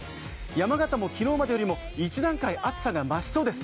山形も昨日よりも一段階暑さが増しそうです。